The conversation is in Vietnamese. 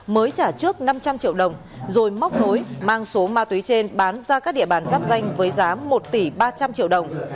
mới trả trước năm trăm linh triệu đồng rồi móc nối mang số ma túy trên bán ra các địa bàn giáp danh với giá một tỷ ba trăm linh triệu đồng